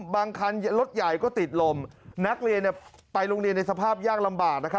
บางคันรถใหญ่ก็ติดลมนักเรียนไปโรงเรียนในสภาพยากลำบาก